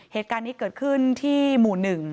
เหตุการณ์นี้เกิดขึ้นที่หมู่๑